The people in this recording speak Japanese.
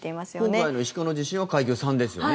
今回の石川の地震は階級３ですよね。